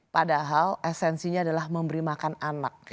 padahal esensinya adalah memberi makan anak